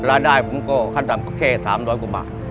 แล้วได้ขั้นทำก็แค่๓๐๐กว่าบาท